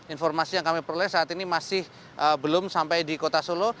informasi yang kami peroleh saat ini masih belum sampai di kota solo